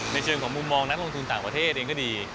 ในเชิงของมุมมองนักลงทุนต่างประเทศเองก็ดี